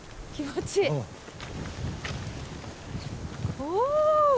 お！